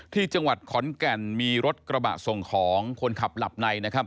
ที่จังหวัดขอนแก่นมีรถกระบะส่งของคนขับหลับในนะครับ